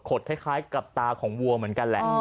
คล้ายกับตาของวัวเหมือนกันแหละ